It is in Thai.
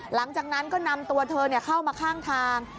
หลังจากนั้นก็นำตัวเธอเข้ามาข้างทาง